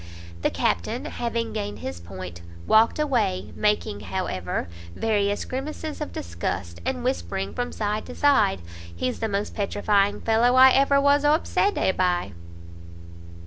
The Captain, having gained his point, walked away, making, however, various grimaces of disgust, and whispering from side to side "he's the most petrifying fellow I ever was obsedé by!"